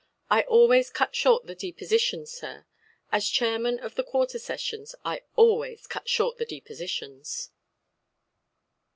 I always cut short the depositions, sir. As Chairman of the Quarter Sessions, I always cut short the depositions".